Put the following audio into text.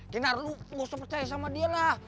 gak usah percaya sama dia lah